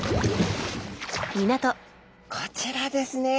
こちらですね